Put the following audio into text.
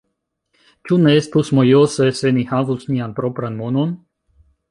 Ĉu ne estus mojose, se ni havus nian propran monon?